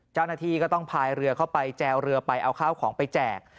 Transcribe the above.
เจ้าหน้าที่ก็ต้องพายเรือเข้าไปแจวเรือไปเอาข้าวของไปแจก